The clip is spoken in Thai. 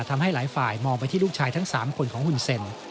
ทำให้หลายฝ่ายมองไปที่ลูกชายทั้ง๓คนของหุ่นเซ็น